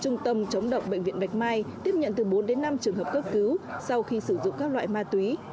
trung tâm chống độc bệnh viện bạch mai tiếp nhận từ bốn đến năm trường hợp cấp cứu sau khi sử dụng các loại ma túy